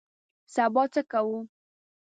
سبا څه کوو؟